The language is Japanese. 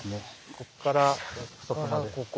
ここからそこまで。